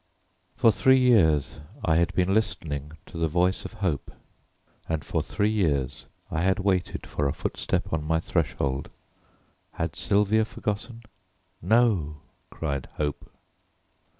For three years I had been listening to the voice of Hope, and for three years I had waited for a footstep on my threshold. Had Sylvia forgotten? "No!" cried Hope.